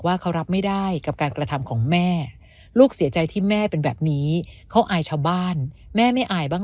เขารับไม่ได้กับการกระทำของแม่ลูกเสียใจที่แม่เป็นแบบนี้เขาอายชาวบ้านแม่ไม่อายบ้าง